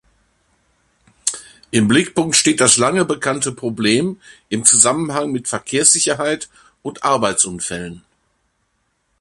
Im Blickpunkt steht das lange bekannte Problem im Zusammenhang mit Verkehrssicherheit und Arbeitsunfällen.